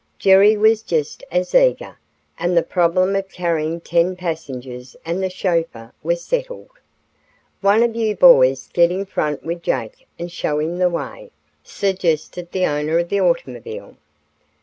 Jerry was just as eager, and the problem of carrying ten passengers and the chauffeur was settled. "One of you boys get in front with Jake and show him the way," suggested the owner of the automobile.